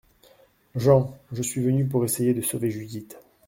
JEAN : Je suis venu pour essayer de sauver Judith.